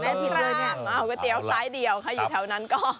เอาก๋วยเตี๋ยวซ้ายเดียวใครอยู่แถวนั้นก็